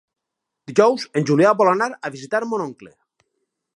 Dijous en Julià vol anar a visitar mon oncle.